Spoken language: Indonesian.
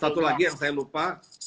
satu lagi yang saya lupa